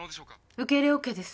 受け入れＯＫです